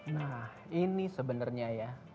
nah ini sebenarnya ya